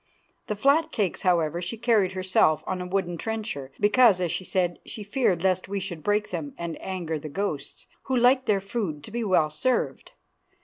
The flat cakes, however, she carried herself on a wooden trencher, because, as she said, she feared lest we should break them and anger the ghosts, who liked their food to be well served.